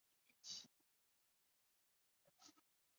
有育才中学及大英中学两所高中学院。